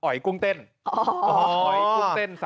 ออยกุ้งเต้น